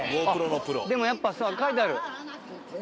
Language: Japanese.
あっでもやっぱさ書いてある。